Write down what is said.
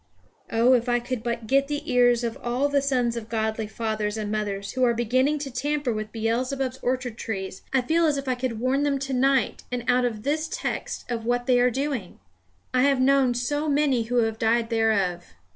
Oh if I could but get the ears of all the sons of godly fathers and mothers who are beginning to tamper with Beelzebub's orchard trees, I feel as if I could warn them to night, and out of this text, of what they are doing! I have known so many who have died thereof.